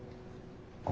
あ。